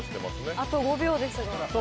あと５秒ですが。